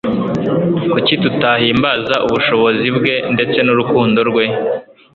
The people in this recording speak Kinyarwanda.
Kuki tutahimbaza ubushobozi bwe ndetse n'urukundo rwe?